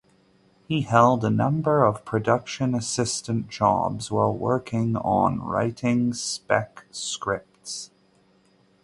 He held a number of production assistant jobs while working on writing spec scripts.